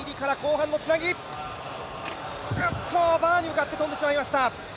おっと、バーに向かって跳んでしまいました。